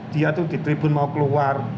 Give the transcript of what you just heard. dia tuh di tribun mau keluar